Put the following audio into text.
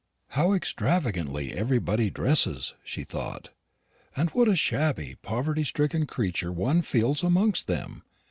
"How extravagantly everybody dresses!" she thought, "and what a shabby poverty stricken creature one feels amongst them!